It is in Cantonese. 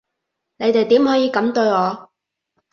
你哋點可以噉對我？